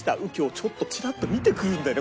ちょっとチラッと見てくるんでね